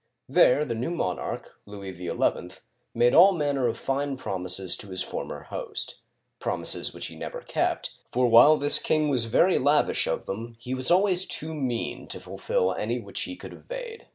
There, the new monarch, Louis XL, made all manner of fine promises to his former host, — promises which he never kept, for while this king was very lavish of them, he was always too mean to fulfill any which he could evade.